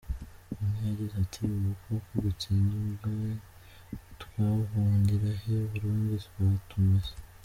Umwe yagize ati: “ubu koko dutsinzwe twahungirahe?” “i Burundi batumesa!